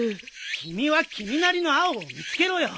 君は君なりの青を見つけろよ。